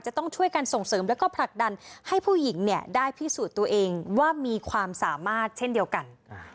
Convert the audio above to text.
จะต้องช่วยกันส่งเสริมแล้วก็ผลักดันให้ผู้หญิงเนี่ยได้พิสูจน์ตัวเองว่ามีความสามารถเช่นเดียวกัน